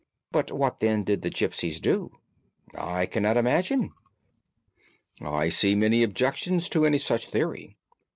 "But what, then, did the gipsies do?" "I cannot imagine." "I see many objections to any such theory."